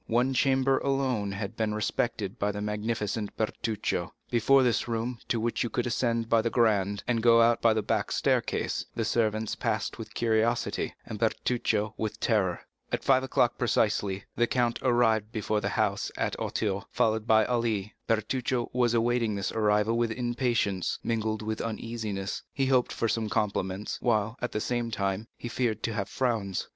One chamber alone had been respected by the magnificent Bertuccio. Before this room, to which you could ascend by the grand, and go out by the back staircase, the servants passed with curiosity, and Bertuccio with terror. At five o'clock precisely, the count arrived before the house at Auteuil, followed by Ali. Bertuccio was awaiting this arrival with impatience, mingled with uneasiness; he hoped for some compliments, while, at the same time, he feared to have frowns.